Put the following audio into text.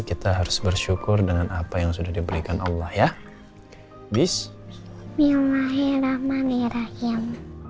kita harus bersyukur dengan apa yang sudah diberikan allah ya bis milahi rahmani rahim